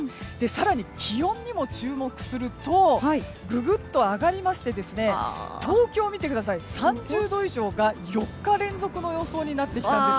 更に、気温にも注目するとググっと上がりまして東京、見てください３０度以上が４日連続の予想になってきたんです。